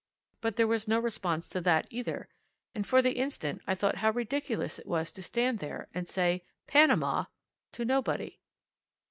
But there was no response to that either, and for the instant I thought how ridiculous it was to stand there and say Panama to nobody.